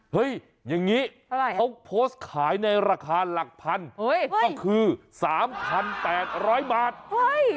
เฮ้ยอย่างนี้เขาโพสต์ขายในราคาหลักพันก็คือ๓๘๐๐บาท